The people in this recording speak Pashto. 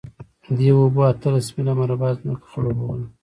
دې اوبو اتلس میله مربع ځمکه خړوبوله.